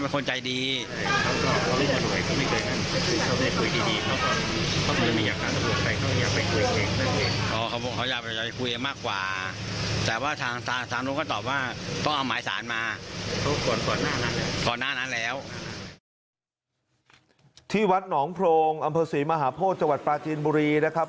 ที่วัดหนองโพรงอำเภอศรีมหาโพธิจังหวัดปลาจีนบุรีนะครับ